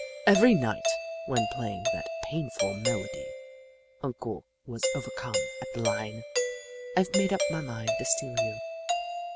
Every night, when playing that painful melody, Uncle was overcome at the line :" I 've made up my mind to steal you."